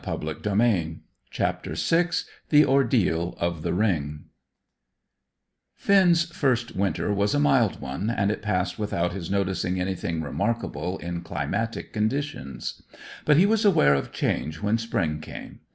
CHAPTER VI THE ORDEAL OF THE RING Finn's first winter was a mild one, and it passed without his noticing anything remarkable in climatic conditions. But he was aware of change when spring came.